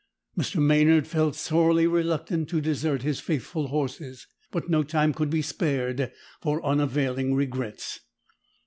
Mr. Maynard felt sorely reluctant to desert his faithful horses, but no time could be spared for unavailing regrets.